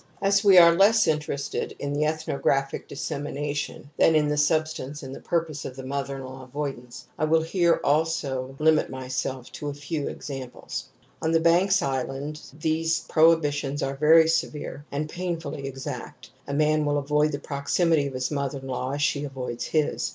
As we are less interested in the ethnographic dissemination than in the substance and the purpose of the moth6r in law avoidance, I will here also limit myself to a few examples. On the Banks Island these prohibitions are very severe and painfully exact. A man will avoid the proximity of his mother in law as she avoids his.